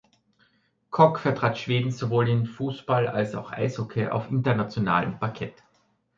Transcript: Kock vertrat Schweden sowohl im Fußball als auch Eishockey auf internationalem Parkett.